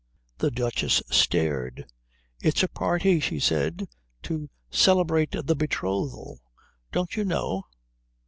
The Duchess stared. "It's a party," she said. "To celebrate the betrothal. Don't you know?"